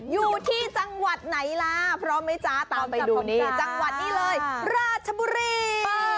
อยู่ที่จังหวัดไหนล่ะพร้อมไหมจ๊ะตามไปดูที่จังหวัดนี้เลยราชบุรี